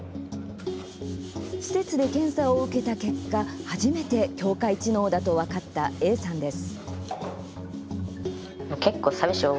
施設で検査を受けた結果初めて境界知能だと分かったＡさんです。